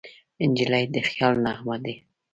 نجلۍ د خیال نغمه ده.